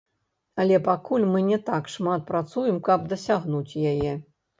Але пакуль мы не так шмат працуем, каб дасягнуць яе.